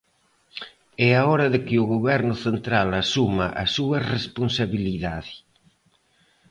"É a hora de que o Goberno central asuma a súa responsabilidade".